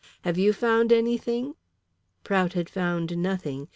Have you found anything?" Prout had found nothing.